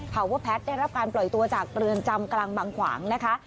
ภาวะแพทย์ได้รับการปล่อยตัวจากเรือนจำกลางบางขวางนะคะ